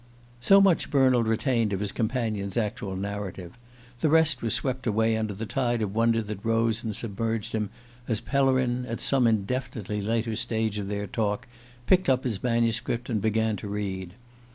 So much Bernald retained of his companion's actual narrative; the rest was swept away under the tide of wonder that rose and submerged him as Pellerin at some indefinitely later stage of their talk picked up his manuscript and began to read.